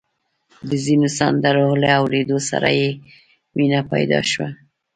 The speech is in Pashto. د ځينو سندرو له اورېدو سره يې مينه پيدا شوه.